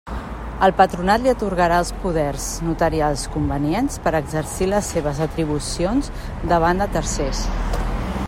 El Patronat li atorgarà els poders notarials convenients per exercir les seves atribucions davant de tercers.